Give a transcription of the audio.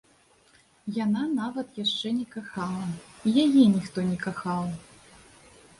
Яна нават яшчэ не кахала, і яе ніхто не кахаў.